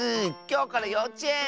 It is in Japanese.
きょうからようちえん！